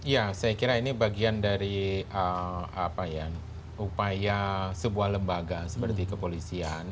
ya saya kira ini bagian dari upaya sebuah lembaga seperti kepolisian